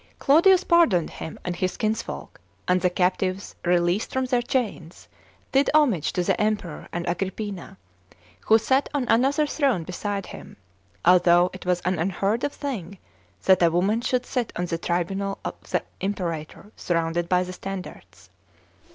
Claudius pardoned him and his kinsfolk; and the captives, released from their chains, did homage to the Emperor and Agrippina, who sat on another throne beside him, although it was an unheard of thing that a woman should sit on the tribunal of the Imperator surrounded by the standards.